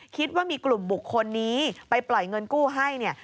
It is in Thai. คิดว่ามีกลุ่มบุคคลนี้ไปปล่อยเงินกู้ให้เนี่ย